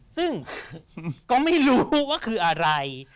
ซึ่งก็ไม่รู้ว่าคืออะไร